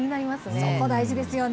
そこ、大事ですよね。